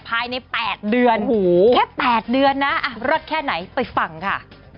ภายใน๘เดือนแค่๘เดือนนะรอดแค่ไหนไปฟังค่ะ